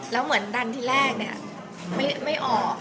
แล้วเหมือนดันทีแรกเนี่ยไม่ออก